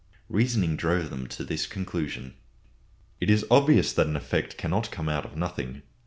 Reasoning drove them to this conclusion. It is obvious that an effect cannot come out of nothing.